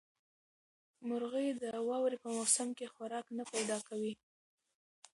مرغۍ د واورې په موسم کې خوراک نه پیدا کوي.